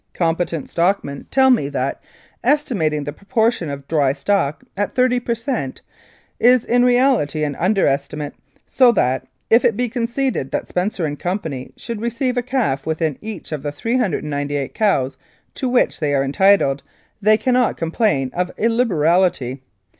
Competent stockmen tell me that, estimating the proportion of * dry stock ' at 30 per cent, is in reality an under estimate, so that, if it be conceded that Spencer and Co. should receive a calf with each of the 398 cows to which they are entitled, they cannot complain of illiberality.